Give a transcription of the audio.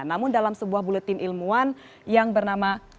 namun dalam sebuah buletin ilmuwan yang bernama